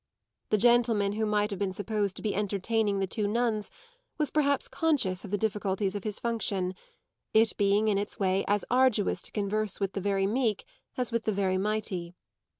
The gentleman who might have been supposed to be entertaining the two nuns was perhaps conscious of the difficulties of his function, it being in its way as arduous to converse with the very meek as with the very mighty.